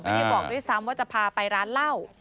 ไม่ได้บอกด้วยซ้ำว่าจะพาไปร้านเหล้า